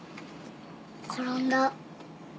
転んだ。